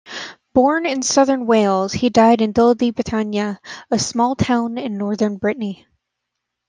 Born in southern Wales, he died in Dol-de-Bretagne, a small town in north Brittany.